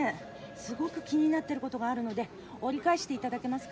すごく気になってることがあるので折り返していただけますか？